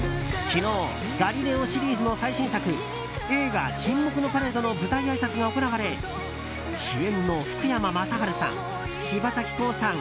昨日「ガリレオ」シリーズの最新作映画「沈黙のパレード」の舞台あいさつが行われ主演の福山雅治さん柴咲コウさん